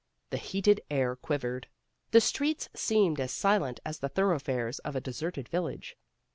The heated air quivered. The streets seemed as silent as the thoroughfares of a deserted village.